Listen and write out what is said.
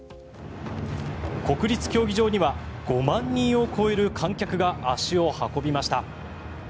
国立競技場には５万人を超える観客が足を運びました。